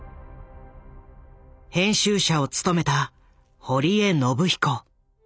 編集者を務めた堀江信彦。